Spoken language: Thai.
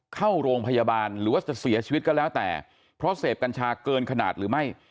เข้าโรงพยาบาลหรือว่าจะเสียชีวิตก็แล้วแต่เพราะเสพกัญชาเกินขนาดหรือไม่